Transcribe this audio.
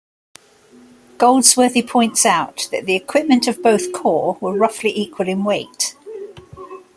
Goldsworthy points out that the equipment of both corps were roughly equal in weight.